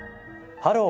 「ハロー！